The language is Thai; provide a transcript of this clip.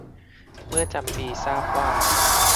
เมื่อจำปีทราบว่า